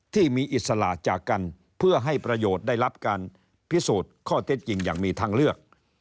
อิสระจากกันเพื่อให้ประโยชน์ได้รับการพิสูจน์ข้อเท็จจริงอย่างมีทางเลือก